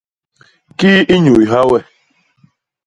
Kii i nyuyha we?